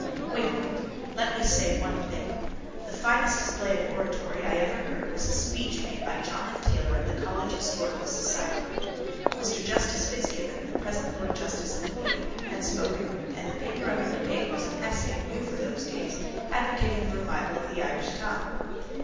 Wait a moment. Let me say one thing. The finest display of oratory I ever heard was a speech made by John F Taylor at the college historical society. Mr Justice Fitzgibbon, the present lord justice of appeal, had spoken and the paper under debate was an essay (new for those days), advocating the revival of the Irish tongue.